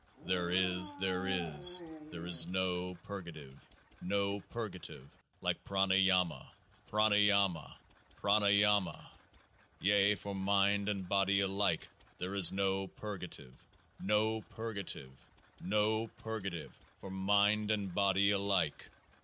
— there is, there is, there is no purga tive, no purgative like Pranayama — Prana yama !— Pranayama ! yea, for mind and body alike there is no purgative, no purgative, no purgative (for mind and body alike